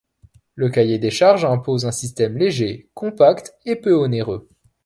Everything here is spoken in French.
Le cahier des charges impose un système léger, compact et peu onéreux.